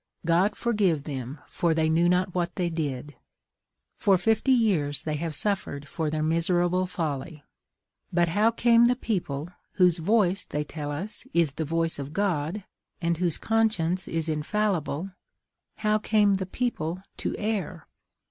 God forgive them, for they knew not what they did! For fifty years they have suffered for their miserable folly. But how came the people, whose voice, they tell us, is the voice of God, and whose conscience is infallible, how came the people to err?